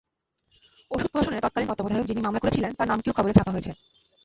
ওষুধ প্রশাসনের তৎকালীন তত্ত্বাবধায়ক যিনি মামলা করেছিলেন, তাঁর নামটিও খবরে ছাপা হয়েছে।